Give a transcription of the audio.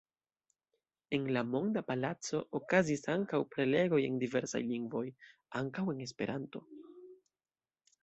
En la Monda Palaco okazis ankaŭ prelegoj en diversaj lingvoj, ankaŭ en Esperanto.